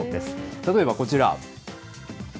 例えばこちら。